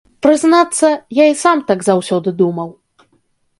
Прызнацца, я і сам так заўсёды думаў.